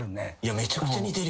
・めちゃくちゃ似てるよ。